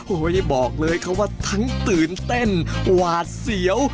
โอ้โหบอกเลยครับว่าทั้งตื่นเต้นหวาดเสียว